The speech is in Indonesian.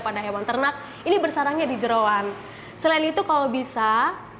pada hewan ternak ini bersarankan di jerawan selain itu kalau bisa dan disarankan juga memang